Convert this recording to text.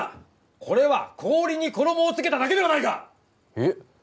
これは氷に衣をつけただけではないかえッ？